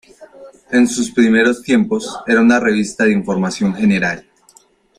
En sus primeros tiempos era una revista de información general.